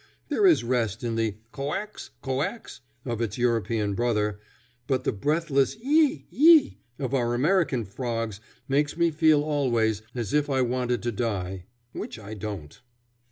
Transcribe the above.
There is rest in the ko ax, ko ax! of its European brother, but the breathless yi! yi! of our American frogs makes me feel always as if I wanted to die which I don't.